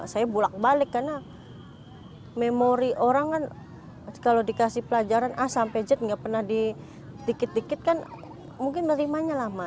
saya bulak balik karena memori orang kan kalau dikasih pelajaran a sampai z nggak pernah dikit dikit kan mungkin menerimanya lama